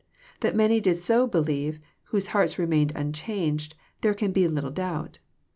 That many did so believe whose iiearts remained unchanged, there can be little doubt.